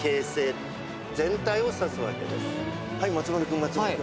はい松丸君松丸君。